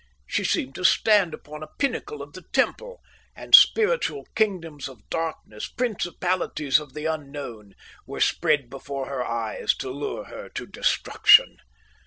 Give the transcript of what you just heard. She seemed to stand upon a pinnacle of the temple, and spiritual kingdoms of darkness, principalities of the unknown, were spread before her eyes to lure her to destruction.